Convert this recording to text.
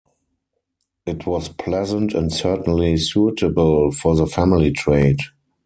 It was pleasant and certainly suitable for the family trade.